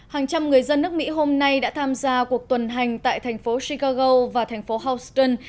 hàng trăm người dân nước mỹ hôm nay đã tham gia cuộc tuần hành tại thành phố shikago và thành phố houston